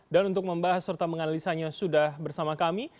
dan untuk membahas serta menganalisanya sudah bersama kami